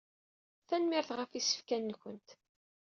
Tanemmirt ɣef isefkan-nkent.